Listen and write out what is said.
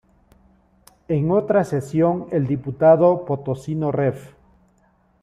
En otra sesión, el diputado Potosino Rev.